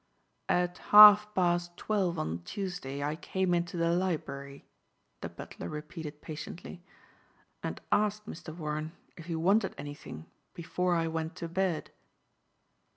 "At half past twelve on Tuesday I came into the library," the butler repeated patiently, "and asked Mr. Warren if he wanted anything before I went to bed."